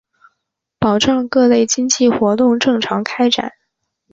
保障各类经贸活动正常开展